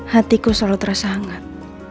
hatiku selalu terasa hangat